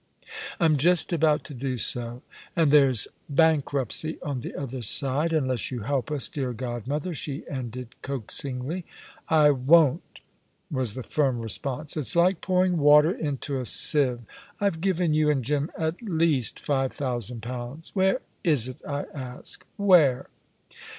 "I'm just about to do so, and there's bankruptcy on the other side, unless you help us, dear godmother," she ended coaxingly. "I won't," was the firm response. "It's like pouring water into a sieve. I've given you and Jim at least five thousand pounds. Where is it, I ask where?"